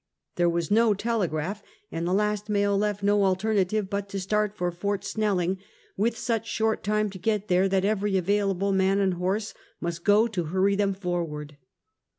There was no telegraph, and the last mail left no al ternative but to start for Fort Snelling, with such short time to get there that every available man and horse must go to hurry them forward.